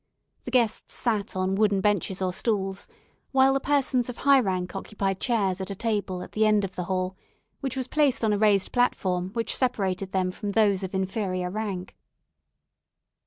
The guests sat on wooden benches or stools, while the persons of high rank occupied chairs at a table at the end of the hall, which was placed on a raised platform which separated them from those of inferior rank.